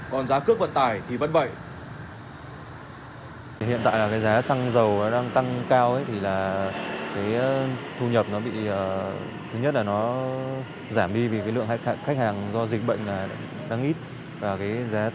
còn giá cước vận tải thì vẫn vậy